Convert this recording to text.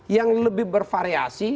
yang lebih bervariasi